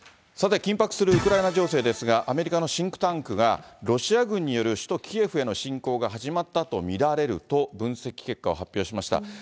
さ、緊迫するウクライナ情勢ですが、アメリカのシンクタンクが、ロシア軍による首都キエフへの侵攻が始まったと見られると分析結果を発表しました。